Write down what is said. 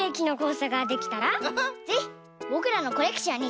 ぜひぼくらのコレクションにさせておくれ！